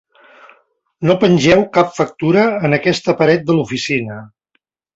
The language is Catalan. No pengeu cap factura en aquesta paret de l'oficina.